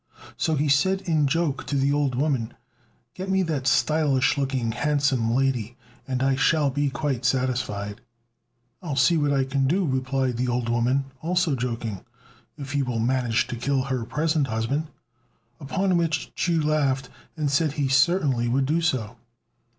So he said in joke to the old woman, "Get me that stylish looking, handsome lady, and I shall be quite satisfied." "I'll see what I can do," replied the old woman, also joking, "if you will manage to kill her present husband;" upon which Chu laughed and said he certainly would do so.